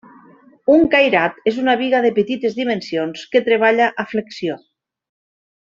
Un cairat és una biga de petites dimensions que treballa a flexió.